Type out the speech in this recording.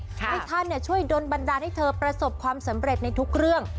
ให้ท่านช่วยดนบันดาลให้เธอประสบความสำเร็จในทุกเรื่อง